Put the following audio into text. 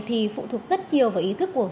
thì phụ thuộc rất nhiều vào ý thức của